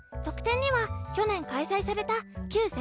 特典には去年開催された「ＣＵＥ！」